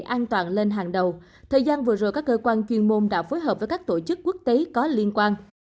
an toàn lên hàng đầu thời gian vừa rồi các cơ quan chuyên môn đã phối hợp với các tổ chức quốc tế có liên quan